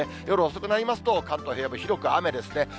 夜遅くになりますと、関東でも広く雨ですね。